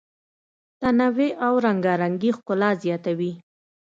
تنوع او رنګارنګي ښکلا زیاتوي.